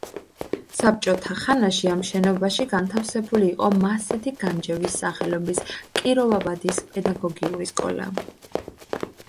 საბჭოთა ხანაში ამ შენობაში განთავსებული იყო მაჰსეთი განჯევის სახელობის კიროვაბადის პედაგოგიური სკოლა.